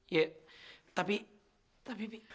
ya tapi tapi pi